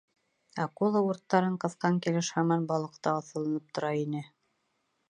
Акула урттарын ҡыҫҡан килеш һаман балыҡта аҫылынып тора ине.